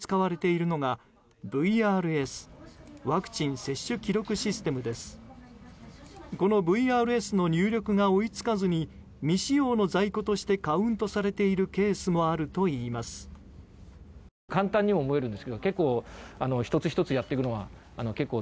このＶＲＳの入力が追い付かずに未使用の在庫としてカウントされているケースもあるといいます。